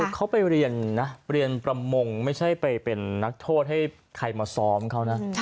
คือเขาไปเรียนนะเรียนประมงไม่ใช่ไปเป็นนักโทษให้ใครมาซ้อมเขานะ